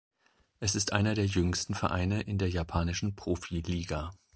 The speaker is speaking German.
Es ist einer der jüngsten Vereine in der japanischen Profiliga.